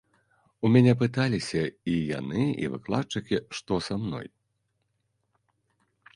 У мяне пыталіся і яны, і выкладчыкі, што са мной.